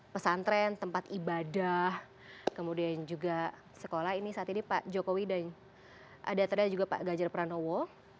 pesantren tempat ibadah kemudian juga sekolah ini saat ini pak jokowi dan juga pak ganjar pranowo